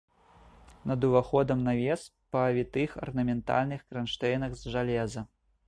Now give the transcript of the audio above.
Над уваходам навес па вітых арнаментальных кранштэйнах з жалеза.